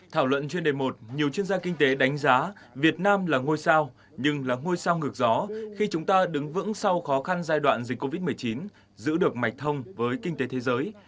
thảo luận chuyên đề một nhiều chuyên gia kinh tế đánh giá việt nam là ngôi sao nhưng là ngôi sao ngược gió khi chúng ta đứng vững sau khó khăn giai đoạn dịch covid một mươi chín giữ được mạch thông với kinh tế thế giới